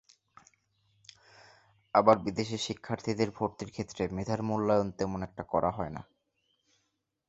আবার বিদেশি শিক্ষার্থীদের ভর্তির ক্ষেত্রে মেধার মূল্যায়ন তেমন একটা করা হয় না।